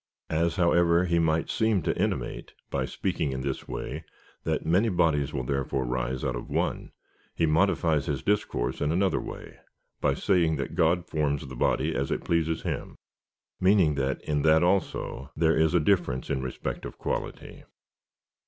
As, however, he might seem to intimate, by speaking in this way, that many bodies will therefore rise out of one, he modifies his discourse in another way, by saying that God forms the body as it 48 COMMENTARY ON THE CHAP. XV. 41. pleases him, meaning that in that also there is a difference in respect of quality.